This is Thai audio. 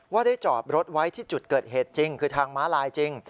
ว่าได้จอดรถไว้ที่จุดเกิดเหตุจริงคือทางม้าลายจริง